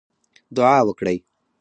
دعا وکړئ